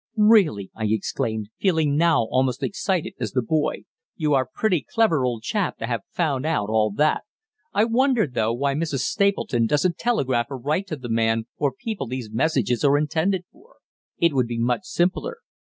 "Really," I exclaimed, feeling now almost as excited as the boy, "you are pretty clever, old chap, to have found out all that. I wonder, though, why Mrs. Stapleton doesn't telegraph or write to the man or people these messages are intended for. It would be much simpler."